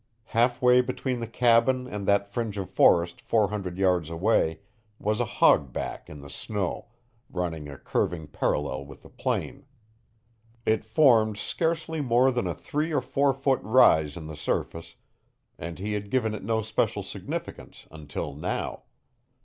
Half way between the cabin and that fringe of forest four hundred yards away was a "hogback" in the snow, running a curving parallel with the plain. It formed scarcely more than a three or four foot rise in the surface, and he had given it no special significance until now.